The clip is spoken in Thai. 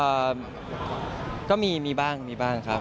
ก็มีมีบ้างมีบ้างครับ